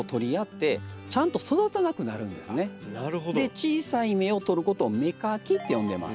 小さい芽を取ることを「芽かき」って呼んでます。